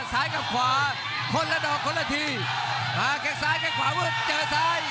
ซ้ายกับขวาคนละดอกคนละทีมาแค่งซ้ายแค่ขวาวเจอซ้าย